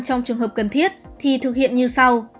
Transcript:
trong trường hợp cần thiết thì thực hiện như sau